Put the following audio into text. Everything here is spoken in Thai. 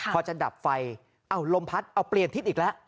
พอจะดับไฟเอ้าลมพัดเอาเปลี่ยนทิศอีกแล้ว